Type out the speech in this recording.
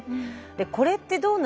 これってどうなの？」